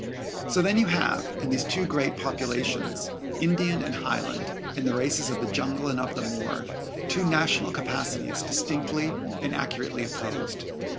So then you have, in these two great populations, Indian and Highland in the races of the jungle and of the moor two national capacities distinctly and accurately opposed.